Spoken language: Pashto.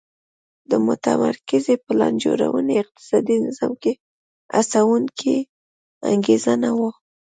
د متمرکزې پلان جوړونې اقتصادي نظام کې هڅوونکې انګېزه نه وه